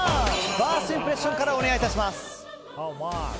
ファーストインプレッションからお願いいたします。